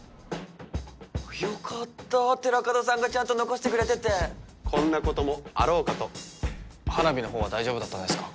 よかった寺門さんがちゃんと残してくれててこんなこともあろうかと花火のほうは大丈夫だったんですか？